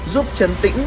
giúp chấn tĩnh